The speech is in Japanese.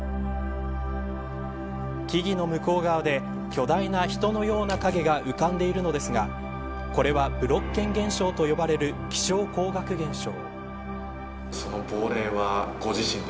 木々の向こう側で巨大な人のような影が浮かんでいるんですがこれはブロッケン現象と呼ばれる気象光学現象。